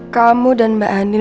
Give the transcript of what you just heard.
kamu dan mbak anin